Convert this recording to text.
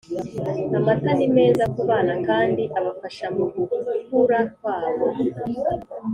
amata ni meza ku bana kandi abafasha mugukura kwabo